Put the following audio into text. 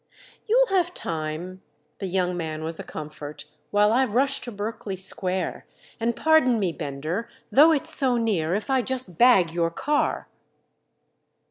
"You'll have time"—the young man was a comfort—"while I rush to Berkeley Square. And pardon me, Bender—though it's so near—if I just bag your car."